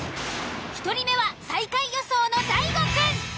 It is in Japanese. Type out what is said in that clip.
１人目は最下位予想の大悟くん。